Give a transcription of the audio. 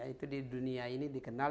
itu di dunia ini dikenal